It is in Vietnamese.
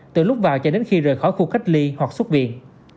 từ lúc vào cho đến khi rời khỏi khu cách ly hoặc xuất viện